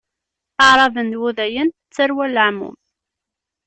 Aɛraben d Wudayen d tarwa n leɛmum.